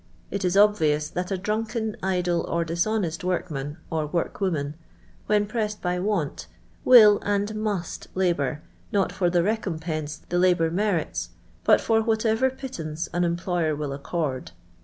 It is ob vious that a drunken, idle, or dishonest workman or workwoman, when pressed by want, will and must labour, not for the recompense tlie labour merits, but for whatever pittance an employer will accord.